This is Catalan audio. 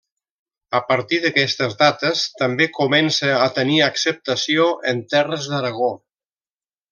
A partir d'aquestes dates, també comença a tenir acceptació en terres d'Aragó.